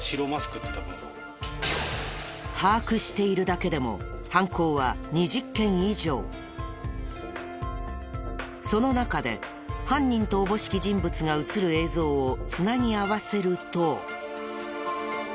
把握しているだけでもその中で犯人とおぼしき人物が映る映像を繋ぎ合わせると。